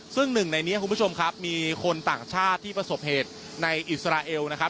ซึ่งหนึ่งในนี้คุณผู้ชมครับมีคนต่างชาติที่ประสบเหตุในอิสราเอลนะครับ